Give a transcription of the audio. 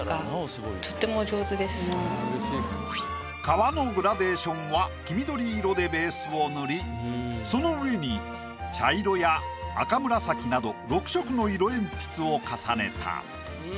皮のグラデーションは黄緑色でベースを塗りその上に茶色や赤紫など６色の色鉛筆を重ねた。